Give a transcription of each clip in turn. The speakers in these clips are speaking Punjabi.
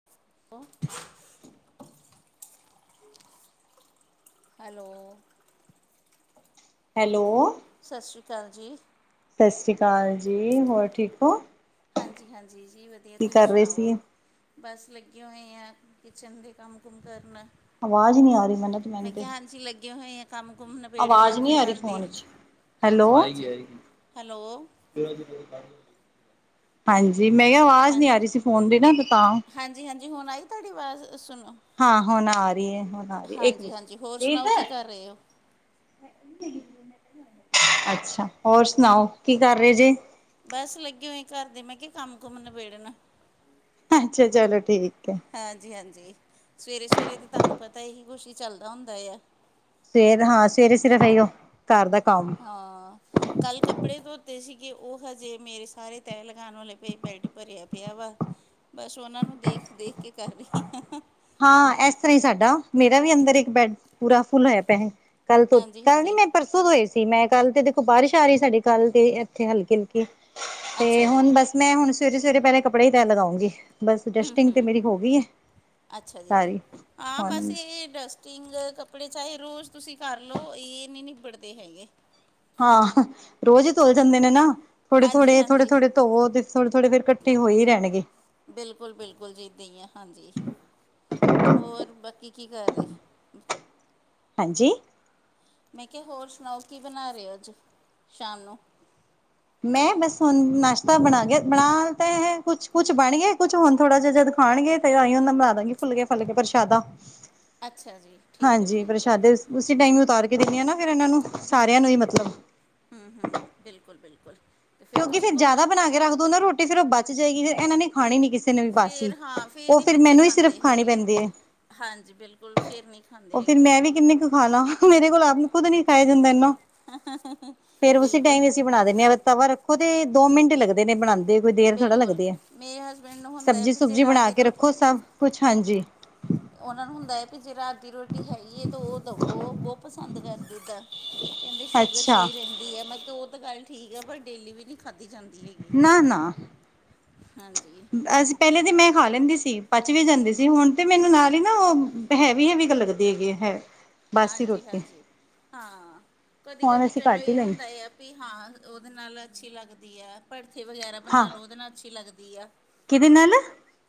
[unintelligible] ਔ ਹੈਲੋ, ਹੈਲੋ, ਸਤਿ ਸ਼੍ਰੀ ਅਕਾਲ ਜੀ। ਸਤਿ ਸ਼੍ਰੀ ਅਕਾਲ ਜੀ ਹੋਰ ਠੀਕ ਹੋ। ਹਾਂਜੀ ਹਾਂਜੀ, ਜੀ ਵਧੀਆ ਕੀ ਤੁਸੀਂ ਕਰ ਰਹੇ ਸੁਣਾਓ। ਸੀ ਬਸ ਲੱਗੀ ਹੋਏ ਆ ਕਿਚਨ ਦੇ ਕੰਮ ਕੁਮ ਕਰਨ ਆਵਾਜ਼ ਨਹੀਂ ਆ ਰਹੀ ਮਿੰਨਤ ਮੈਂ ਮੈਨੂੰ ਤੇ ਕਿਹਾ ਹਾਂਜੀ ਲੱਗੇ ਹੋਏ ਆ ਕੰਮ ਕੁਮ ਨਬੇੜਨ ਆਵਾਜ਼ ਨਹੀਂ ਆਪਣੇ ਆ ਰਹੀ ਘਰ ਦੇ। ਫੋਨ ਚ ਹੈਲੋ ਹਾਂਜੀ ਹਾਂਜੀ, ਹੈਲੋ ਹਾਂਜੀ ਮੈਂ ਕਿਹਾ ਆਵਾਜ਼ ਨੀ ਆ ਰਹੀ ਸੀ ਫੋਨ ਦੀ ਨਾ ਤੇ ਤਾਂ ਹਾਂਜੀ-ਹਾਂਜੀ, ਹੁਣ ਆਈ ਤੁਹਾਡੀ ਆਵਾਜ਼ ਸੁਣੋ। ਹਾਂ ਹੁਣ ਆ ਰਹੀ ਹੈ ਹੁਣ ਆ ਰਹੀ ਹੈ, ਇੱਕ ਹਾਂਜੀ ਮਿੰਟ ਹਾਂਜੀ, ਹੋਰ ਪ੍ਰੀਤ ਸੁਣਾਓ ਕੀ ਕਰ ਰਹੇ ਹੋ। ਅੱਛਾ ਹੋਰ ਸੁਣਾਓ ਕੀ ਕਰ ਰਹੇ ਜੇ। ਬਸ ਲੱਗੀ ਹੋਏ ਘਰ ਦੇ ਮੈਂ ਕਿਹਾ ਕੰਮ ਕੁੁੰਮ ਨਿਬੇੜਨ ਅੱਛਾ ਚਲੋ ਠੀਕ ਹੈ। ਹਾਂਜੀ ਹਾਂਜੀ, ਸਵੇਰੇ ਸਵੇਰੇ ਤਾਂ ਤੁਹਾਨੂੰ ਪਤਾ ਇ ਹੀ ਕੁਛ ਹੀ ਚੱਲਦਾ ਹੁੰਦਾ ਆ। ਸਵੇਰ ਹਾਂ ਸਵੇਰੇ ਸਰੇ ਰਹੀਓ ਘਰ ਦਾ ਕੰਮ ਹਾਂ, ਕੱਲ੍ਹ ਕੱਪੜੇ ਧੋਤੇ ਸੀਗੇ ਉਹ ਹਜੇ ਮੇਰੇ ਸਾਰੇ ਤੈਅ ਲਗਾਉਣ ਵਾਲੇ ਪਏ ਬੈਡ ਭਰਿਆ ਪਿਆ ਵਾ। ਹਾਂ, [unintelligible] ਬਸ ਉਹਨਾਂ ਨੂੰ ਦੇਖ ਦੇਖ ਕੇ ਕਰ ਰਹੀ ਹਾਂ। ਹਾਂ ਇਸ ਤਰ੍ਹਾਂ ਹੀ ਸਾਡਾ ਮੇਰਾ ਵੀ ਅੰਦਰ ਇੱਕ ਬੈਡ ਪੂਰਾ ਫੁਲ ਹੋਇਆ ਪਿਆ- ਕੱਲ ਤੋਂ ਹਾਂਜੀ ਕੱਲ ਨੀ ਹਾਂਜੀ ਮੈਂ ਪਰਸੋਂ ਤੋਂਏ ਸੀ ਮੈਂ ਕੱਲ ਤੇ ਦੇਖੋ ਬਾਰਿਸ਼ ਆ ਰਹੀ ਸਾਡੀੇ ਕੱਲ ਤੇ ਥੇ ਹਲਕੀ ਹਲਕੀ ਤੇ ਅੱਛਾ ਜੀ ਹੁਣ ਬਸ ਮੈਂ ਹੁਣ ਸਵੇਰੇ ਸਵੇਰੇ ਪਹਿਲੇ ਕੱਪੜਾ ਹੀ ਤੈ ਲਗਾਉਂਗੀ। ਬਸ ਜਸਟਿੰਗ ਤੇ ਮੇਰੀ ਹੋ ਗਈ ਹੈ। ਅੱਛਾ ਜੀ ਸਾਰੀ। ਆਂ ਬਸ ਹੁਣ ਇਹ ਡਸ ਸਟਿੰਗ ਕੱਪੜੇ ਚਾਹੇ ਰੋਜ਼ ਤੁਸੀਂ ਕਰ ਲਓ ਇਹ ਨਹੀਂ ਨਿਬੜਦੇ ਹੈਗੇ। ਹਾਂ ਰੋਜ਼ ਹੀ ਧੁਲ ਜਾਂਦੇ ਨੇ ਨਾ ਥੋੜੇ- ਹਾਂਜੀ ਥੋੜੇ -ਥੋੜੇ- ਹਾਂਜੀ ਥੋੜੇ ਧੋਵੋ ਉਹ ਥੋੜੇ -ਥੋੜ੍ਹੇ ਇਕੱਠੇ ਹੋਈ ਰਹਿਣਗੇ। ਬਿਲਕੁਲ -ਬਿਲਕੁਲ ਜੀ ਇੱਦਾਂ ਹੀ ਆ ਹਾਂਜੀ ਹੋਰ ਬਾਕੀ ਕੀ ਕਰ ਰਹੇ। ਹਾਂਜੀ ਮੈਂ ਕਿਹਾ ਹੋਰ ਸੁਣਾਓ ਕੀ ਬਣਾ ਰਹੇ ਹੋ ਅੱਜ ਸ਼ਾਮ ਨੂੰ ਮੈਂ ਬਸ ਹੁਣ ਨਾਸ਼ਤਾ ਬਣਾ ਗਿਆ ਬਣਾਤਾ ਹੈ ਕੁਛ- ਕੁਛ ਬਣ ਗਿਆ ਕੁਛ ਹੁਣ ਥੋੜ੍ਹਾ ਜਿਹਾ ਜਦ ਖਾਣਗੇ ਤੇ ਆਹੀਂ ਉਹਦਾ ਮਿਲਾ ਦਾਂਗੀ ਫੁੱਲਕੇ ਫੁੱਲ ਕੇ ਪ੍ਰਸ਼ਾਦਾ ਅੱਛਾ ਜੀ ਠੀਕ ਹੈ- ਹਾਂਜੀ ਠੀਕ ਹੈ। ਪ੍ਰਸ਼ਾਦੇ ਉਸੀ ਟਾਈਮ ਉਤਾਰ ਕੇ ਦੇਣੀ ਹਾਂ ਨਾ ਫਿਰ ਇਹਨਾਂ ਨੂੰ ਸਾਰਿਆਂ ਨੂੰ ਹੀ ਹਾਂਜੀ ਮਤਲਬ ਹੂੰ- ਹੂੰ -ਹੂੰ ਬਿਲਕੁਲ- ਬਿਲਕੁਲ ਤੇ ਫਿਰ ਕਿਉਂਕਿ ਤੁਸੀਂ ਫੇਰ ਘੁੰਮਣ ਜ਼ਿਆਦਾ ਬਣਾ ਕੇ ਰੱਖ ਦੋ ਨਾ, ਰੋਟੀ ਫੇਰ ਉਹ ਬਚ ਜਾਏਗੀ, ਫਿਰ ਇਹਨਾਂ ਨੇ ਖਾਣੀ ਨੀ ਕਿਸੇ ਕਿਸੇ ਨੇ ਵੀ ਬਾਸੀ, ਫਿਰ ਹਾਂ ਫਿਰ ਉਹ ਨਹੀਂ ਫੇਰ ਬੱਚੇ ਮੈਨੂੰ ਹੀ, ਸਿਰਫ਼ ਖਾਂਦੇ ਖਾਣੀ ਹੈਗੇ ਪੈਂਦੀ ਹੈ। ਹਾਂਜੀ, ਬਿਲਕੁਲ। ਫਿਰ ਨਹੀਂ ਖਾਂਦੇ ਉਹ ਫੇਰ ਹੈਗੇ ਮੈਂ ਵੀ, ਕਿੰਨੀ ਕੁ ਖਾ ਲਾ, ਮੇਰੇ ਕੋਲ ਆਪ ਨੀ, ਖੁਦ ਨੀ ਖਾਇਆ ਜਾਂਦਾ ਇੰਨਾ [inaudible] ਫੇਰ ਉਸੀ ਬਿਲਕੁਲ ਟਾਈਮ ਬਣਾ ਦਿੰਦੇ ਆ, ਤਵਾ ਰੱਖੋ ਤੇ, ਦੋ ਮਿੰਟ ਲੱਗਦੇ ਨੇ ਬਣਾਂਦੇ। ਕੋਈ ਦੇਰ ਥੋੜ੍ਹਾ ਬਿਲਕੁਲ ਲੱਗਦੀ ਆ, ਮੇਰੇ ਹਸਬੈਂਡ ਨੂੰ ਹੁੰਦਾ ਹੈ ਸਬਜ਼ੀ ਵੀ ਜੇ -ਸੁਬਜੀ ਰਾਤ ਬਣਾ ਦੀ ਕੇ ਰੋਟੀ ਰੱਖੋ, ਸਭ ਕੁਛ ਹਾਂਜੀ। ਉਹਨਾਂ ਨੂੰ ਹੁੰਦਾ ਹੈ ਵੀ, ਜੇ ਰਾਤ ਦੀ ਰੋਟੀ ਹੈਗੀ ਹੈ ਤਾਂ, ਉਹ ਦਵੋ, ਉਹ ਬਹੁਤ ਪਸੰਦ ਕਰਦੇ, ਇੱਦਾਂ ਕਹਿੰਦੇ ਸ਼ੂਗਰ ਅੱਛਾ ਸਹੀ ਰਹਿੰਦੀ ਹੈ, ਮੈਂ ਕਿਹਾ, ਉਹ ਤਾਂ ਗੱਲ ਠੀਕ ਆ, ਪਰ ਡੇਲੀ ਵੀ ਨਹੀਂ ਖਾਧੀ ਜਾਂਦੀ ਹੈ। ਨਾ- ਨਾ ਹਾਂਜੀ ਅਸੀਂ ਪਹਿਲੇ ਤੇ ਮੈਂ ਖਾ ਲੈਂਦੀ ਸੀ, ਪਚ ਵੀ ਜਾਂਦੀ ਸੀ, ਹੁਣ ਤੇ ਮੈਨੂੰ ਨਾਲ ਹੀ ਨਾ ਉਹ ਹੈਵੀ- ਹੈਵੀਂ, ਗ ਲੱਗਦੀ ਹੈਗੀ ਆ, ਹੈ। ਬਾਸੀ ਹਾਂਜੀ ਰੋਟੀ -ਹਾਂਜੀ, ਹਾਂ ਹੁਣ ਕਦੀ-ਕਦੀ ਅਸੀਂ ਚਲੋ ਘੱਟ ਹੀ ਇਹ ਲੈਂਦੇ ਹੁੰਦਾ ਹੈ। ਵੀ ਹਾਂ, ਉਹਦੇ ਨਾਲ ਅੱਛੀ ਲੱਗਦੀ ਹੈ, ਭੜਥੇ ਵਗੈਰਾ ਹਾਂ ਬਣਾ ਲਉ, ਉਹਦੇ ਨਾਲ ਅੱਛੀ ਲੱਗਦੀ ਆ। ਕਿਹਦੇ ਨਾਲ?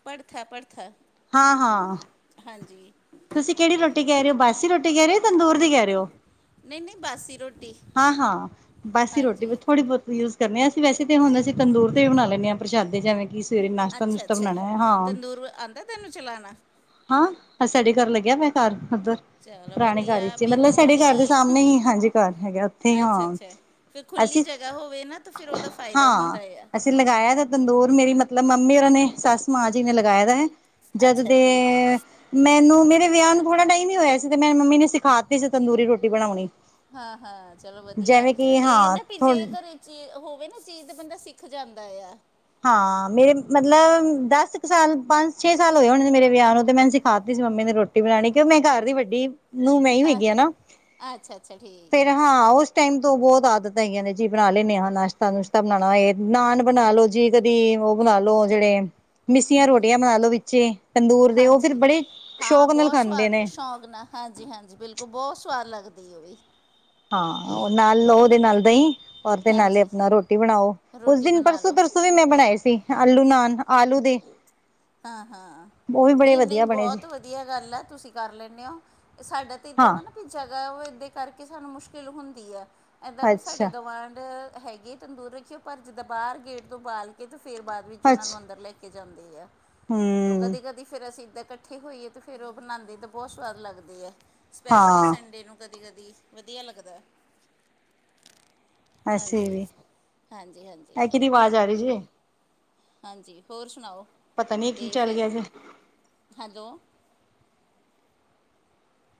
ਭੜਥਾ -ਭੜਥਾ ਹਾਂ -ਹਾਂ। ਹਾਂਜੀ। ਤੁਸੀਂ ਕਿਹੜੀ ਰੋਟੀ ਕਹਿ ਰਹੇ ਹੋ, ਬਾਸੀ ਰੋਟੀ ਕਹਿ ਰਹੇ ਹੋ? ਤੰਦੂਰ ਦੀ ਕਹਿ ਰਹੇ ਹੋ? ਨਹੀਂ ਨਹੀਂ ਬਾਸੀ ਰੋਟੀ ਹਾਂ-ਹਾਂ, ਬਾਸੀ ਰੋਟੀ ਹਾਂਜੀ ਥੋੜ੍ਹੀ ਬਹੁਤ ਯੂਜ ਕਰਦੇ ਹਾਂ, ਅਸੀਂ ਵੈਸੇ ਤਾਂ ਹੁਣ ਅਸੀਂ ਤੰਦੂਰ ਤੇ ਵੀ ਬਣਾ ਲੈਂਦੇ, ਪ੍ਰਸ਼ਾਦ ਜਿਵੇਂ ਕਿ ਸਵੇਰੇ ਨਾਸ਼ਤਾ- ਅੱਛਾ ਨੁਸ਼ਤਾ, ਅੱਛਾ ਬਣਾਉਣਾ ਹੈ, ਹਾਂ। ਤੰਦੂਰ ਆਉਂਦਾ, ਤਾਨੂੰ ਚਲਾਣਾ? ਹਾਂ, ਸਾਡੇ ਘਰ ਲੱਗਿਆ ਪਇਆ, ਘਰ ਉੱਧਰ ਚਲੋ ਪੁਰਾਣੇ ਵਧੀਆ ਘਰ ਚ, ਮਤਲਬ ਮੈਨੂੰ ਸਾਡੇ ਘਰ ਦੇ ਨਹੀਂ ਸਾਹਮਣੇ ਹੀ, ਹਾਂਜੀ ਘਰ ਹੈਗਾ, ਉੱਥੇ ਹੀ ਅੱਛਾ ਹਾਂ। ਅੱਛਾ ਫਿਰ ਖੁੱਲੀ ਅਸੀਂ ਜਗ੍ਹਾ ਹੋਵੇ ਨਾ, ਤਾਂ ਫੇਰ ਉਹਦਾ ਫਾਇਦਾ ਹਾਂ ਹੁੰਦਾ ਆ। ਅਸੀਂ ਲਗਾਇਆ ਤਾਂ ਤੰਦੂਰ ਮੇਰੀ ਮਤਲਬ, ਮੰਮੀ ਉਹਰਾਂ ਨੇ ਸੱਸ ਮਾਂ ਜੀ ਨੇ, ਲਗਾਇਆ ਦਾ ਹੈ ਜਦ ਅੱਛਾ ਦੇ ਜੀ [inaudible] ਮੈਨੂੰ ਮੇਰੇ ਵਿਆਹ ਨੂੰ, ਥੋੜਾ ਟਾਈਮ ਹੀ ਹੋਇਆ ਸੀ, ਤੇ ਮੇਰੀ ਮੰਮੀ ਨੇ ਸਿਖਾ ਤੀ ਸੀ, ਤੰਦੂਰੀ ਰੋਟੀ ਬਣਾਉਣੀ। ਹਾਂ- ਹਾਂ, ਚਲੋ ਵਧੀਆ ਜਿਵੇਂ ਕਿ ਇਹ ਹਾਂ ਨਾ ਵੀ ਥੋ ਜੇ ਘਰੇ ਚੀ, ਹੋਵੇ ਨਾ ਚੀਜ਼, ਤੇ ਬੰਦਾ ਸਿੱਖ ਜਾਂਦਾ ਆ। ਹਾਂ ਮੇਰੇ, ਮਤਲਬ ਦਸ ਕੁ ਸਾਲ, ਪੰਜ- ਛੇ ਸਾਲ ਹੋਏ ਹੋਣੇ ਨੇ, ਮੇਰੇ ਵਿਆਹ ਨੂੰ, ਤੇ ਮੈਂਨੂੰ ਸਿਖਾ ਤੀ ਸੀ ਮੰਮੀ ਨੇ ਰੋਟੀ ਰੋਟੀ ਬਣਾਉਣੀ, ਕਿਉੰ ਮੈਂ ਘਰ ਦੀ ਵੱਡੀ ਨੂੰਹ ਮੈਂ ਹੀ ਓ ਹੈਗੀ ਹਾਂ ਨਾ, ਅੱਛਾ ਅੱਛਾ ਠੀਕ ਫੇਰ ਹੈ ਹਾਂ ਉਸ ਟਾਈਮ ਤੋਂ ਬਹੁਤ ਆਦਤ ਹੈਗੀਆਂ ਨੇ ਜੀ, ਬਣਾ ਲੈਂਨੇ ਆ, ਨਾਸ਼ਤਾ- ਨੁਸ਼ਤਾ ਬਣਾਉਣਾ ਹੋਏ, ਨਾਨ ਬਣਾ ਲਉ। ਜੀ, ਕਦੀ ਉਹ ਬਣਾਲੋ ਜਿਹੜੇ ਮਿੱਸੀਆਂ ਰੋਟੀਆਂ ਬਣਾ ਲਉ ਵਿੱਚੇ ਤੰਦੂਰ ਦੇ, ਉਹ ਫਿਰ ਹਾਂਜੀ ਬੜੇ ਹਾਂ ਸ਼ੌਕ ਨਾਲ ਬਹੁਤ ਖਾਂਦੇ ਨੇ। [unintelligible] ਹਾਂਜੀ -ਹਾਂਜੀ, ਬਿਲਕੁਲ ਬਹੁਤ ਸਵਾਦ ਲੱਗਦੀ ਹੈ ਉਹ ਵੀ। ਹਾਂ, ਨਾਲ ਲਉ ਉਹਦੇ ਨਾਲ ਦਹੀਂ, ਔਰ ਤੇ ਨਾਲੇ ਹਾਂਜੀ ਆਪਣਾ ਰੋਟੀ ਬਣਾਉ, ਉਸ ਰੋਟੀ ਦਿਨ ਬਣਾ ਪਰਸੋਂ ਲਓ ਤੁਸੀਂ ਵੀ, ਮੈਂ ਬਣਾਏ ਸੀ, ਆਲੂ- ਨਾਨ, ਆਲੂ ਦੇ। ਹਾਂ-ਹਾਂ, ਉਹ ਵੀ ਬੜੇ ਨਹੀਂ-ਨਹੀਂ, ਵਧੀਆ ਬਣੇ ਸੀ ਬਹੁਤ ਵਧੀਆ ਗੱਲ ਆ, ਤੁਸੀਂ ਕਰ ਲੈਂਨੇ ਔ, ਇਹ ਸਾਡਾ ਤਾਂ ਇੱਦਾਂ ਹਾਂ ਵਾ ਨਾ। ਜਗ੍ਹਾ ਦੇ, ਕਰਕੇ ਸਾਨੂੰ ਮੁਸ਼ਕਿਲ ਹੁੰਦੀ ਆ, ਇੱਦਾਂ ਵੀ ਸਾਡੇ ਅੱਛਾ ਗਵਾਂਢ ਹੈਗੇ। ਤੰਦੂਰ ਰੱਖਿਆ, ਪਰ ਜਿੱਦਾਂ ਬਾਹਰ ਗੇਟ ਤੋਂ ਬਾਲ ਕੇ, ਤੇ ਫਿਰ ਬਾਅਦ ਵਿੱਚ, ਉਹਨਾਂ ਨੂੰ ਅੰਦਰ ਲੈ ਕੇ ਜਾਂਦੇ ਆ। ਹੂੰ, ਕਦੀ -ਕਦੀ, ਫਿਰ ਅਸੀਂ ਇੱਦਾਂ ਇਕੱਠੇ ਹੋਈਏ ਤੇ, ਫਿਰ ਉਹ ਬਣਾਉਂਦੇ ਤਾਂ, ਬਹੁਤ ਸਵਾਦ ਲੱਗਦੀ ਹੈ। ਸਪੈਸ਼ਲੀ, ਹਾਂ ਸੰਡੇ ਨੂੰ ਕਦੀ- ਕਦੀ, ਵਧੀਆ ਲੱਗਦਾ। ਹਾਂਜੀ-ਹਾਂਜੀ-ਹਾਂਜੀ, ਦੀ ਆਵਾਜ਼ ਆ ਰਹੀ ਜੇ। ਹਾਂਜੀ, ਹੋਰ ਸੁਣਾਓ? ਪਤਾ ਨੀ ਕੀ ਅਤੇ ਚੱਲ ਫਿਰ ਗਿਆ ਜੀ ਹੈਲੋ।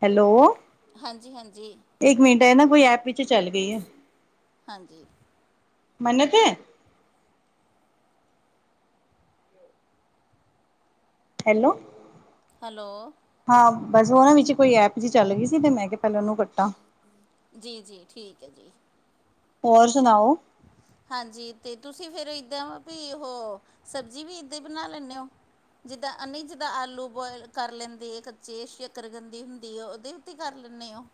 ਹੈਲੋ, ਹਾਂਜੀ ਹਾਂਜੀ ਇੱਕ ਮਿੰਟ ਹੈ ਨਾ ਕੋਈ ਐਪ ਵਿੱਚ ਚੱਲ ਗਈ ਹੈ। ਹਾਂਜੀ, ਮੰਨ ਤੇ। ਹੈਲੋ, ਹੈਲੋ, ਹਾਂ ਬਸ ਉਹਨਾਂ ਵਿੱਚ ਕੋਈ ਐਪ ਜਿਹੀ ਚੱਲ ਗਈ ਸੀ, ਅਤੇ ਮੈਂ ਕਿਹਾ ਪਹਿਲਾਂ ਉਹਨੂੰ ਕੱਟਾਂ ਜੀ-ਜੀ ਠੀਕ ਹੈ ਜੀ। ਹੋਰ ਸੁਣਾਓ? ਹਾਂਜੀ, ਤੇ ਤੁਸੀਂ ਫੇਰ ਏਦਾਂ ਵੀ ਉਹ ਸਬਜ਼ੀ ਵੀ ਏਦਾਂ ਹੀ ਬਣਾ ਲੈਂਦੇ ਹੋ। ਜਿੱਦਾਂ ਅਨੀ ਜਿੱਦਾਂ ਆਲੂ ਬੋਆਇਲ ਕਰ ਲੈਂਦੇ, ਕੱਚੇ ਸਕਰਗੰਦੀ ਹੁੰਦੀ ਆ ਉਹਦੇ ਕਰ ਲੈਂਦੇ ਓ।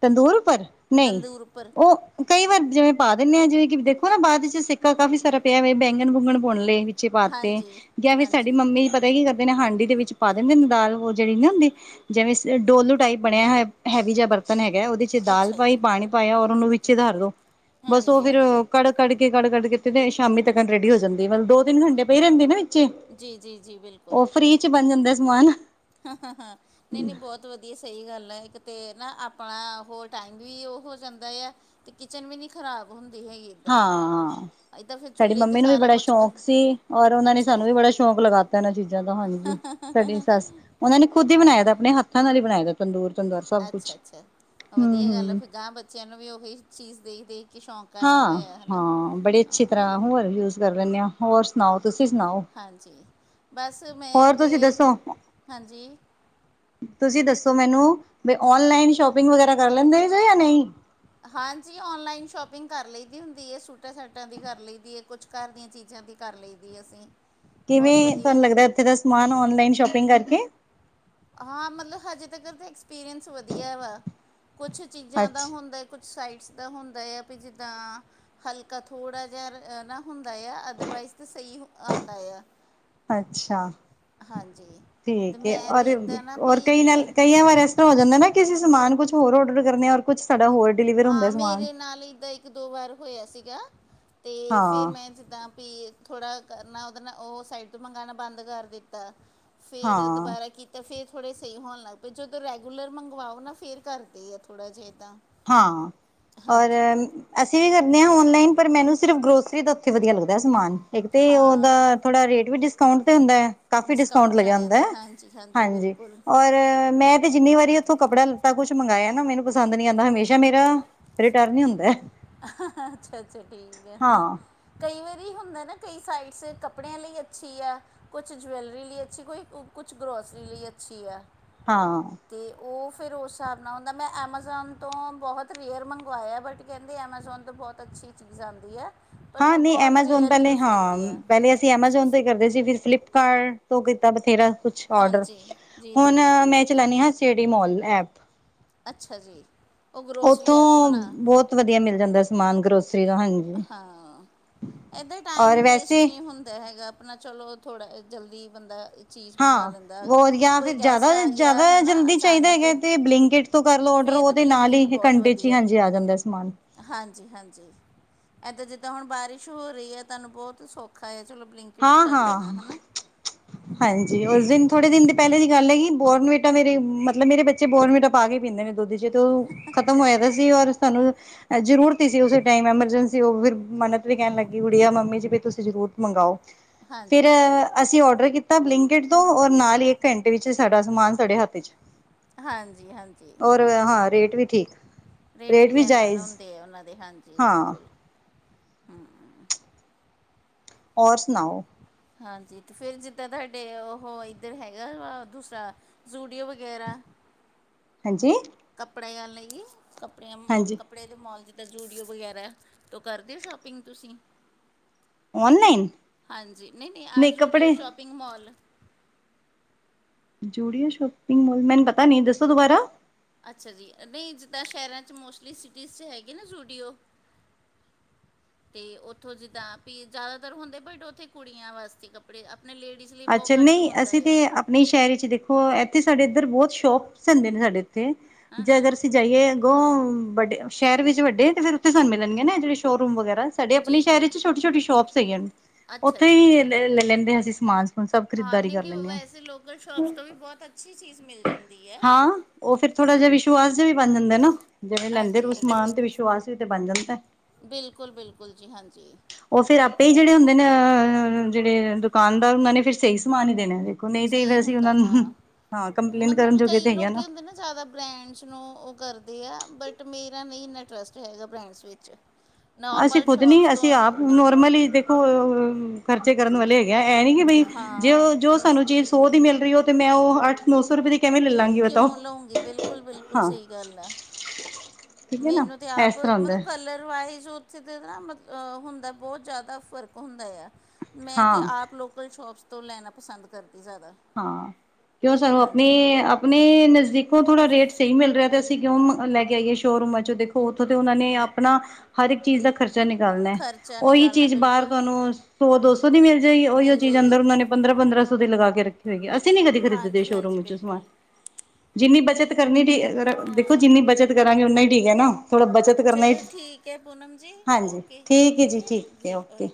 ਤੰਦੂਰਪਰ ਨਹੀਂ ਉੱਪਰ ਉਹ ਕਈ ਵਾਰ ਜਿਵੇਂ ਪਾ ਦਿੰਦੇ ਆ, ਜਿਵੇਂ ਦੇਖੋ ਨਾ ਬਾਅਦ ਚ ਸਿੱਕਾ ਕਾਫ਼ੀ ਸਾਰਾ ਪਿਆ ਹੋ, ਬੈਂਗਣ ਬੂੰਗਣ ਬਣ ਲ ਬੇ ਪਾਤੇ ਹਾਂਜੀ ਜਾਂ ਫਿਰ ਸਾਡੀ ਹਾਂਜੀ ਮੰਮੀ ਪਤਾ। ਕੀ ਕਰਦੇ ਨੇ ਹਾਂਡੀ ਦੇ ਵਿੱਚ ਪਾ ਦਿੰਦੇ ਨੇ, ਦਾਲ ਉਹ ਜਿਹੜੀ ਨਾ ਹੁੰਦੀ ਜਿਵੇਂ ਡੋਲੂ ਟਾਈਪ। ਬਣਿਆ ਹੈ, ਹੈਵੀ ਜਿਹਾ ਬਰਤਨ ਹੈਗਾ, ਉਹਦੇ ਚ ਦਾਲ ਅੱਛਾ ਜੀ ਪਾਈ ਪਾਣੀ ਪਾਇਆ ਔਰ ਉਹਨੂੰ ਵਿੱਚ ਧਰ ਦੋ। ਬਸ ਉਹ ਹਾਂਜੀ ਫੇਰ ਹਾਂਜੀ ਕੜ-ਕੜ ਕੇ ਕੜ ਕੱਤੇ ਤੇ ਸ਼ਾਮੀ ਤੱਕ ਰੈਡੀ ਹੋ ਜਾਂਦੀ, ਮਤਲਬ ਦੋ [unintelligible] ਠੰਢੇ ਪਈ ਰਹਿੰਦੇ ਨਾ ਵਿੱਚ ਜੀ ਜੀ ਜੀ ਉਹ ਫ੍ਰੀ ਚ ਬਣ ਜਾਂਦਾ ਸਮਾਨ। ਹਾਂ-ਹਾਂ, ਹਾਂ ਨਹੀਂ, ਨਹੀਂ ਬਹੁਤ ਵਧੀਆ। ਵਧੀਆ ਸਹੀ ਗੱਲ ਹੈ, ਇੱਕ ਤਾਂ ਨਾ ਆਪਣਾ ਹੋਰ ਟਾਈਮ ਵੀ ਉਹ ਹੋ ਜਾਂਦਾ ਆ। ਤੇ ਕਿਚਨ ਵੀ ਨਹੀਂ ਖ਼ਰਾਬ ਹੁੰਦੀ ਹੈਗੀ। ਇੱਦਾਂ ਹਾਂ, ਇੱਦਾਂ ਫਿਰ ਸਾਡੀ ਚੁੱਲ੍ਹੇ 'ਤੇ ਮੰਮੀ ਨੂੰ ਵੀ ਸਾਰਾ ਬੜਾ ਕੁਛ ਕਰ ਸ਼ੌਕ ਸੀ, ਔਰ ਉਹਨਾਂ ਨੇ ਅੱਛਾ ਸਾਨੂੰ ਜੀ ਵੀ ਬੜਾ ਸ਼ੌਕ ਲਗਾਤਾ, ਇਹਨਾਂ ਚੀਜ਼ਾਂ ਦਾ ਹਾਂਜੀ, ਸਾਡੀ ਸੱਸ ਉਹਨਾ ਨੇ ਖੁਦ ਹੀ ਬਣਾਇਆ ਦਾ, ਆਪਣੇ ਹੱਥਾਂ ਨਾਲ ਹੀ ਬਣਾਏ ਦਾ ਤੰਦੂਰ ਤੰਦੂਰ ਸਭ ਕੁਛ। ਅੱਛਾ-ਅੱਛਾ, ਵਧੀਆ ਗੱਲ ਆ, ਹੂੰ-ਹੂੰ ਫਿਰ ਗਾਂਹ ਬੱਚਿਆਂ ਨੂੰ ਵੀ ਉਹੀ ਚੀਜ਼ ਦੇਖ ਦੇਖ ਕੇ ਸ਼ੌਂਕ। ਆਇਆ ਹੋਇਆ ਹੈ ਨਾ ਹਾਂ-ਹਾਂ, ਬੜੀ ਅੱਛੀ ਹਾਂ ਤਰ੍ਹਾਂ ਹੋਰ ਯੂਜ ਕਰ ਲੈਂਦੇ ਹਾਂ, ਹੋਰ ਸੁਣਾਓ? ਤੁਸੀਂ ਸੁਣਾਓ- ਹਾਂਜੀ, ਬਸ ਮੈਂ ਹੋਰ ਤੁਸੀਂ ਤਾਂ ਦੱਸੋ ਹਾਂਜੀ। ਤੁਸੀਂ ਦੱਸੋ ਮੈਨੂੰ ਵੀ ਔਨਲਾਈਨ ਸ਼ੋਪਿੰਗ ਵਗੈਰਾ ਕਰ ਲੈਂਦੇ ਜੇ ਜਾਂ ਨਹੀਂ? ਹਾਂਜੀ, ਔਨਲਾਈਨ ਸ਼ੋਪਿੰਗ ਕਰ ਲਈ ਦੀ ਹੁੰਦੀ ਹੈ, ਸੂਟਾਂ ਸ਼ਟਾਂ ਦੀ ਕਰ ਲਈ ਦੀ ਹੈ। ਕੁਛ ਘਰ ਦੀਆਂ ਚੀਜ਼ਾਂ ਦੀ ਕਰ ਲਈ ਦੀ ਅਸੀਂ ਬਹੁਤ ਕਿਵੇਂ ਵਧੀਆ ਤੁਹਾਨੂੰ ਲੱਗਦਾ, ਉੱਥੇ ਦਾ ਸਮਾਨ ਔਨਲਾਈਨ ਸ਼ੋਪਿੰਗ ਕਰਕੇ। ਹਾਂ ਮਤਲਬ ਹਜੇ, ਤੱਕ ਤਾਂ ਐਕਸਪੀਰੀਅੰਸ ਵਧੀਆ ਵਾ ਕੁਛ ਚੀਜ਼ਾਂ ਦਾ ਅੱਛ ਹੁੰਦਾ। ਕੁਛ ਸਾਈਟਸ ਦਾ ਹੁੰਦਾ, ਆ ਵੀ ਜਿੱਦਾਂ ਹਲਕਾ ਥੋੜ੍ਹਾ ਜਿਹਾ ਨਾ ਹੁੰਦਾ ਆ, ਅਦਰਵਾਈਜ਼ ਤਾਂ ਸਹੀ ਆਉਂਦਾ ਆ। ਅੱਛਾ ਹਾਂਜੀ ਅਤੇ ਠੀਕ ਹੈ, ਮੈਂ ਤਾਂ ਇੱਦਾਂ ਨਾ ਵੀ ਔਰ ਕਈ ਨਾਲ ਅ, ਕਈਆਂ ਵਾਰੀ ਹੋ ਜਾਂਦਾ, ਨਾ ਅਸੀ ਸਮਾਨ ਕੁੱਛ ਹੋਰ ਔਡਰ ਕਰਨੇ ਔਰ ਕੁਛ ਸਾਡਾ ਹੋਰ- ਡਿਲੀਵਰ ਹੁੰਦਾ ਹਾਂ, ਸਮਾਨ ਮੇਰੇ ਨਾਲ ਇੱਦਾ ਇੱਕ ਦੋ ਵਾਰ ਹੋਇਆ ਸੀਗਾ, ਤੇ ਫਿਰ ਹਾਂ ਮੈਂ ਜਿੱਦਾਂ ਵੀ ਥੋੜਾ ਕਰਨਾ, ਉਹਦੇ ਨਾਲ ਉਹ ਸਾਈਡ ਤੋਂ ਮੰਗਾਉਣਾ ਬੰਦ ਕਰ ਦਿੱਤਾ। ਫਿਰ ਹਾਂ ਦੁਬਾਰਾ ਕੀਤਾ। ਤਾਂ ਫਿਰ ਥੋੜ੍ਹੇ ਸਹੀ ਹੋਣ ਲੱਗ ਪਏ, ਜਦੋਂ ਰੈਗੂਲਰ ਮੰਗਵਾਓ ਨਾ ਫਿਰ ਕਰਦੇ ਆ ਥੋੜ੍ਹਾ ਜਿਹਾ ਤਾਂ। ਹਾਂ ਔਰ, ਅਸੀਂ ਵੀ ਕਰਦੇ ਹਾਂ, ਔਨਲਾਈਨ ਪਰ ਮੈਨੂੰ ਸਿਰਫ਼ ਗਰੋਸਰੀ ਦਾ ਉੱਥੇ ਵਧੀਆ ਲੱਗਦਾ, ਸਮਾਨ ਇੱਕ ਤੇ ਉਹਦਾ ਹਾਂ ਥੋੜਾ ਰੇਟ ਵੀ ਡਿਸਕਾਊਂਟ ਤੇ ਹੁੰਦਾ ਹੈ। ਕਾਫ਼ੀ ਡਿਸਕਾਊਂਟ 'ਚ ਲੱਗਿਆ ਆ ਹੁੰਦਾ ਜਾਂਦਾ ਹੈ, ਹਾਂਜੀ ਹਾਂਜੀ ਬਿਲਕੁਲ ਔਰ ਮੈਂ ਕਿ ਜਿੰਨੀ ਵਾਰੀ ਉੱਥੋਂ ਕੱਪੜਾ ਲੱਤਾ ਕੁੱਛ ਵੀ ਮੰਗਾਇਆ ਨਾ, ਮੈਨੁੰ ਪਸੰਦ ਨਹੀ ਆਂਦਾ ਹਮੇਸ਼ਾ ਮੇਰਾ ਰਿਟਰਨ ਹੀ ਹੁੰਦਾ। ਅੱਛਾ- ਅੱਛਾ, ਠੀਕ ਹੈ। ਹਾਂ ਕਈ ਵਾਰੀ ਹੁੰਦਾ ਨਾ, ਕਈ ਸਾਈਡਸ ਕੱਪੜਿਆਂ ਲਈ ਅੱਛੀ ਆ। ਕੁੱਛ ਜਵੈਲਰੀ ਲਈ ਅੱਛੀ, ਕੋਈ ਕੁੱਛ ਗਰੋਸਰੀ, ਲਈ ਅੱਛੀ ਹੈ। ਹਾਂ। ਤੇ ਉਹ ਫੇਰ ਉਸ ਹਿਸਾਬ ਨਾਲ ਹੁੰਦਾ। ਮੈਂ ਐਮਾਜ਼ੋਨ ਤੋਂ, ਬਹੁਤ ਰੇਅਰ ਮੰਗਵਾਇਆ। ਬਟ ਕਹਿੰਦੇ ਐਮਾਜ਼ੋਨ ਤੋਂ, ਬਹੁਤ ਅੱਛੀ ਚੀਜ਼ ਆਉਂਦੀ ਹੈ। ਪਰ ਹਾਂ, ਮੈਂ ਨਹੀਂ ਬਹੁਤ ਐਮਾਜ਼ੋਨ ਰੇਅਰ ਪਹਿਲੇ, ਯੂਜ਼ ਹਾਂ। ਕੀਤੀ ਹੈ ਪਹਿਲੇ ਅਸੀ ਐਮਾਜੋਨ, ਤੋਂ ਹੀ ਕਰਦੇ ਸੀ। ਫੇਰ ਫਲਿਪਕਾਰਟ ਤੋਂ, ਕੀਤਾ ਬਥੇਰਾ ਕੁੱਛ। ਓਡਰ, ਹਾਂਜੀ ਜੀ ਹੁਣ ਜੀ ਮੈਂ ਚਲਾਣੀ ਹਾਂ। City mall app. ਅੱਛਾ ਜੀ। ਉਹ ਗਰੋਸਰੀ ਐਪ ਉੱਥੋਂ, ਹੋਣਾ ਬਹੁਤ ਵਧੀਆ, ਮਿਲ ਜਾਂਦਾ ਸਮਾਨ। ਗਰੋਸਰੀ ਦਾ। ਹਾਂਜੀ। ਹਾਂ। ਇੱਦਾਂ ਟਾਈਮ ਔਰ ਵੇਸਟ, ਵੈਸੇ ਨਹੀਂ ਹੁੰਦਾ ਹੈਗਾ। ਆਪਣਾ ਚਲੋ, ਥੋੜਾ ਜਲਦੀ ਬੰਦਾ ਚੀਜ਼ ਮੰਗਾ ਹਾਂ, ਲੈਂਦਾ ਹੋ ਵਧੀਆ ਕੋਈ ਫੇਰ ਜ਼ਿਆਦਾ, ਗੈਸਟ ਆ ਜ਼ਿਆਦਾ ਗਿਆ ਹਨਾ ਜਲਦੀ ਚਾਹੀਦਾ ਅਚਾਨਕ ਹੈਗਾ। ਤੇ ਬਲੈਂਕਿਟ ਤੋਂ ਕਰ ਲਓ ਔਡਰ। ਫੇਰ ਤਾਂ ਉਹਦੇ ਨਾਲ ਬਲਿੰਕਿਟ ਹੀ, ਬਹੁਤ ਘੰਟੇ ਚ ਹੀ, ਵਧੀਆ ਹਾਂਜੀ, ਆ ਜਾਂਦਾ ਸਮਾਨ। ਹਾਂਜੀ- ਹਾਂਜੀ। ਇਹ ਤਾਂ ਜਿੱਦਾਂ ਹੁਣ, ਬਾਰਿਸ਼ ਹੋ ਰਹੀ ਹੈ। ਤੁਹਾਨੂੰ ਬਹੁਤ ਸੌਖ ਖਾ ਹੈ। ਚਲੋ ਬਲਿੰਕਟ ਹਾਂ ਕਰ ਲੈਣਾ। ਹੈ ਹਾਂ ਨਾ। ਹਾਂਜੀ ਉਸ ਦਿਨ ਥੋੜੇ ਦਿਨ, ਪਹਿਲੇ ਦੀ ਗੱਲ ਹੈਗੀ। ਬੋਰਨਵਿਟਾ ਮਤਲਬ, ਮੇਰੇ ਬੱਚੇ ਬੋਰਨਵਿਟਾ ਪਾ ਕੇ ਹੀ, ਪੀਂਦੇ ਨੇ ਦੁੱਧ ਚ। ਤੋ ਖਤਮ ਅੱਛਾ ਹੋਇਆ ਅੱਛਾ ਪਈਆਂ ਸੀ। ਹੋਰ ਸਾਨੂੰ ਵੀ ਜ਼ਰੂਰਤ ਹੀ ਸੀ। ਉਸੇ ਟਾਈਮ ਐਮਰਜੈਂਸੀ, ਉਹ ਫੇਰ ਮੰਨਤ ਵੀ ਕਹਿਣ ਲੱਗੀ। ਕੁੜੀਆਂ ਮੰਮੀ ਜੀ ਤੁਸੀਂ ਜ਼ਰੂਰ ਮੰਗਵਾਓ। ਫੇਰ ਹਾਂਜੀ ਅਸੀਂ ਔਡਰ ਕੀਤਾ ਬਲਿੰਕਿਟ ਤੋਂ, ਔਰ ਨਾਲ ਹੀ ਇੱਕ ਘੰਟੇ ਵਿੱਚ, ਸਾਡਾ ਸਮਾਨ ਸਾਡੇ ਹੱਥ। ਵਿਚ, ਹਾਂਜੀ ਹਾਂਜੀ ਹੋਰ ਹਾਂ ਰੇਟ ਵੀ ਠੀਕ। ਰੇਟ ਵੀ ਜੈਨਵਨ ਹੁੰਦੇ ਆ। ਉਹਨਾਂ ਦੇ, ਹਾਂਜੀ ਹਾਂ ਬਿਲਕੁਲ, ਹੂੰ। ਹੋਰ ਸੁਣਾਓ? ਹਾਂਜੀ, ਤੇ ਫੇਰ ਜਿੱਦਾਂ, ਤੁਹਾਡੇ ਉਹ, ਇੱਧਰ ਹੈਗਾ ਵਾ, ਦੂਸਰਾ। ਜ਼ੂਡੀਓ ਵਗੈਰਾ। ਹਾਂਜੀ। ਕੱਪੜਿਆ ਲਈ। ਕੱਪੜਿਆ ਮੋ ਹਾਂਜੀ ਕੱਪੜੇ ਦੇ ਮੋਲ। ਜਿੱਦਾਂ ਯੂਡੀਓ ਵਗੈਰਾ, ਤਾਂ ਉਹ ਕਰਦੇ ਓ ਸ਼ੋਪਿੰਗ ਤੁਸੀਂ? ਔਨਲਾਈਨ ਹਾਂਜੀ। ਨਹੀਂ- ਨਹੀਂ, ਆਹ Zudio shopping mall. Zudio shopping mall. ਮੈਨੂੰ ਪਤਾ ਨੀ, ਦੱਸੋ ਦੁਬਾਰਾ। ਅੱਛਾ ਜੀ, ਨਹੀਂ ਜਿੱਦਾਂ, ਸ਼ਹਿਰਾਂ ਚ ਮੋਸਟਲੀ, ਸਿਟੀਜ਼ ਚ ਹੈਗੇ, ਨਾ ਜੂਡੀਓ। ਤੇ ਉੱਥੋਂ ਜਿੱਦਾਂ, ਵੀ ਜ਼ਿਆਦਾਤਰ ਹੁੰਦੇ ਬਟ, ਉੱਥੇ ਕੁੜੀਆਂ ਵਾਸਤੇ ਕੱਪੜੇ। ਆਪਣਾ ਲੇਡੀਜ਼ ਲਈ, ਬਹੁਤ ਅੱਛਾ ਘੱਟ ਹੁੰਦਾ ਅਸੀਂ ਤੇ ਆ। ਨਹੀਂ, ਸ਼ਹਿਰ ਚ ਦੇਖੋ। ਇੱਥੇ ਸਾਡੇ ਇੱਧਰ ਬਹੁਤ ਸ਼ੋਪਸ ਹੁੰਦੇ ਨੇ। ਸਾਡੇ ਇੱਥੇ ਹਾਂ ਜੇ, ਅਗਰ ਹਾਂ ਅਸੀਂ ਜਾਈਏ ਅੱਗੇ। ਵੱਡੇ ਸ਼ਹਿਰ ਵਿੱਚ, ਵੱਡੇ ਤੇ ਫੇਰ ਉੱਥੇ ਸਾਨੂੰ ਮਿਲਣਗੇ ਨਾ। ਜਿਹੜੇ ਸ਼ੋਅਰੂਮ ਵਗੈਰਾ। ਸਾਡੇ ਆਪਣੇ ਜੀ ਸ਼ਹਿਰ ਜੀ ਵਿੱਚ, ਛੋਟੀ- ਛੋਟੀ, ਸ਼ੋਪਸ ਹੈਗੀਆਂ ਨੇ। ਅੱਛਾ ਉੱਥੇ ਅੱਛਾ ਹੀ ਅੱਛਾ ਲੈ ਲੈਂਦੇ, ਅਸੀਂ ਸਮਾਨ। ਸਮੂਨ ਸਭ ਹਾਂ, ਖਰੀਦਦਾਰੀ ਨਹੀਂ- ਕਰ ਨਹੀਂ, ਲੈਂਦੇ ਹਾਂ ਵੈਸੇ ਲੋਕਲ ਸ਼ੋਪਸ ਤੋਂ ਵੀ, ਬਹੁਤ ਅੱਛੀ ਚੀਜ਼, ਮਿਲ ਜਾਂਦੀ ਹੈ। ਹਾਂ ਉਹ ਫੇਰ ਥੋੜਾ, ਜਿਹਾ ਵਿਸ਼ਵਾਸ, ਜਿਹਾ ਵੀ ਬਣ ਜਾਂਦਾ ਨਾ। ਜਿਵੇਂ ਲੈਂਦੇ ਹਾਂਜੀ ਰਹੋ ਸਮਾਨ। ਤੇ ਵਿਸ਼ਵਾਸ ਵੀ ਤੇ ਬਣ ਜਾਂਦਾ। ਬਿਲਕੁਲ- ਬਿਲਕੁਲ ਜੀ ਹਾਂਜੀ। ਉਹ ਫੇਰ ਆਪੇ ਹੀ, ਜਿਹੜੇ ਹੁੰਦੇ ਨੇ। ਅ ਜਿਹੜੇ ਦੁਕਾਨਦਾਰ। ਉਹਨਾਂ ਨੇ ਫੇਰ, ਸਹੀ ਸਮਾਨ ਹੀ ਦੇਣਾ। ਦੇਖੋ ਨਹੀਂ ਤੇ, ਫੇਰ ਸਹੀ ਅਸੀਂ ਉਹ ਹੁੰਦਾ ਨੂੰ, ਹਾਂ। ਮਾਂ, ਕੰਪਲੇਨ ਕਰਨ ਮਤਲਬ ਜੋਗੇ, ਕਈ ਤੇ ਹੈਗੇ ਹਾਂ ਨਾ। ਲੋਕੀ ਹੁੰਦੇ ਜ਼ਿਆਦਾ ਬ੍ਰੈਂਡਸ, ਨੂੰ ਉਹ ਕਰਦੇ ਆ। ਬਟ ਮੇਰਾ ਨਹੀਂ ਇੰਨਟਰਸਟ ਹੈਗਾ। ਬ੍ਰੈਂਡਸ ਵਿੱਚ। ਅਸੀਂ ਨੋਰਮਲ ਖੁੱਦ ਨੀ, ਸ਼ੋਪਸ ਤੋਂ ਅਸੀਂ ਆਪ ਨੋਰਮਲੀ ਹੀ ਦੇਖੋ। ਖਰਚੇ ਕਰਨ, ਵਾਲੇ ਹੈਗੇ ਆ। ਇਹ ਨੀ ਕਿ ਬਈ, ਜੇ ਹਾਂ ਜੋ ਸਾਨੂੰ ਚੀਜ਼। ਸੌ ਦੀ ਮਿਲ ਰਹੀ ਉਹ। ਤੇ ਮੈਂ, ਉਹ ਅੱਠ, ਨੌ ਸੌ ਰੁਪਏ ਦੀ। ਕਿਵੇਂ ਲੈ ਲਾਂਗੀ। ਬਤਾਓ ਕਿਉਂ ਲਉਂਗੀ। ਬਿਲਕੁਲ- ਬਿਲਕੁਲ ਹਾਂ ਸਹੀ ਗੱਲ ਆ। ਠੀਕ ਹੈ ਨਾ ਮੈਨੂੰ ਤੇ ਇਸ ਆਪ। ਤਰ੍ਹਾਂ ਹੁੰਦਾ ਮਤਲਬ ਕਲਰ ਵਾਈਜ਼ ਉਹ। ਉੱਥੇ ਤੇ ਨਾ ਮਤਲਬ ਹੁੰਦਾ ਬਹੁਤ ਜ਼ਿਆਦਾ ਫ਼ਰਕ ਹੁੰਦਾ ਆ। ਮੈਂ ਤੇ ਹਾਂ ਆਪ ਲੋਕਲ ਸ਼ੋਪਸ ਤੋਂ ਲੈਣਾ ਪਸੰਦ ਕਰਦੀ ਜ਼ਿਆਦਾ। ਹਾਂ, ਕਿਉਂ ਸਾਨੂੰ ਹਾਂਜੀ। ਆਪਣੇ, ਆਪਣੇ ਨਜ਼ਦੀਕੋ ਥੋੜ੍ਹਾ ਰੇਟ ਸਹੀ ਮਿਲ ਰਿਹਾ ਤੇ। ਅਸੀਂ ਕਿਉਂ ਲੈ ਕੇ ਆਈਏ ਸ਼ੋਅਰੂਮਾਂ 'ਚ ਦੇਖੋ, ਉੱਥੋ ਤੇ ਉਹਨਾਂ ਨੇ ਆਪਣਾ ਹਰ ਇੱਕ ਚੀਜ਼ ਦਾ। ਖਰਚਾ ਨਿਕਲਣਾ ਹੈ। ਖਰਚਾ ਉਹੀ ਨਿਕਾਲਣਾ ਚੀਜ਼ ਬਾਹਰ ਬਿਲਕੁਲ ਤੁਹਾਨੂੰ ਸੌ- ਦੋ ਸੌ ਦੀ ਮਿਲ ਜਾਏਗੀ। ਉਹੀ ਉਹ ਮਿਲ ਚੀਜ਼ ਅੰਦਰ ਜਾਏਗੀ ਉਹਨਾਂ ਨੇ। ਪੰਦਰਾਂ -ਪੰਦਰਾਂ ਸੌ ਦੇ ਲਗਾ ਕੇ ਰੱਖੀ ਹੋਈ ਹੈ। ਅਸੀਂ ਨੀ ਕਦੇ ਖਰੀਦਦੇ ਹਾਂਜੀ ਸ਼ੋਰੂਮ ਹਾਂਜੀ ਵਿੱਚੋਂ ਸਮਾਨ। ਬਿਲਕੁਲ ਜਿੰਨੀ ਬੱਚਤ ਕਰਨੀ ਠੀਕ ਦੇਖੋ ਹਾਂ। ਜਿੰਨੀ ਬੱਚਤ ਕਰਾਂਗੇ ਉਨਾਂ ਹੀ ਠੀਕ ਹੈ ਨਾ। ਥੋੜ੍ਹਾ ਬੱਚਤ। ਕਰਨਾ। ਚਲੋ ਠੀਕ ਹੈ ਪੂਨਮ ਜੀ ਹਾਂਜੀ। ਓਕੇ ਠੀਕ ਜੀ, ਹੈ ਠੀਕ ਜੀ ਓਕੇ। ਓਏ